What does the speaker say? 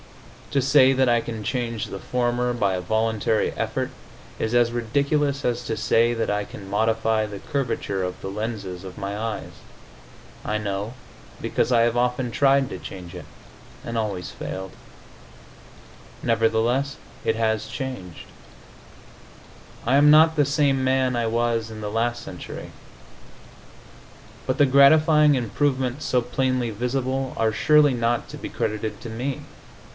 To say that I can change the former by a voluntary effort is as ridiculous as to say that I can modify the curvature of the lenses of my eyes. I know, because I have often tried to change it, and always failed. Nevertheless, it has changed. I am not the same man I was in the last century. But the gratifying improvements so plainly visible are surely not to be credited to me.